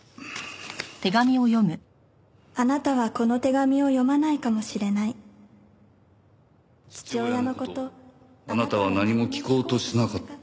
「あなたはこの手紙を読まないかもしれない」「父親のことあなたは何も聞こうとしなかったから」